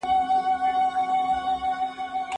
پرته له قوانینو ژوند ګډوډ کیږي.